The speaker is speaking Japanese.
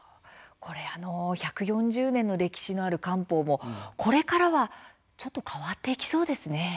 １４０年の歴史がある官報も、これからはちょっと変わっていきそうですね。